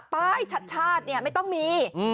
ป้ายชาติชาติเนี่ยไม่ต้องมี